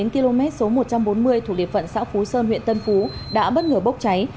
km một trăm bốn mươi thuộc liệt phận xã phú sơn huyện tân phú đã bất ngờ bốc cháy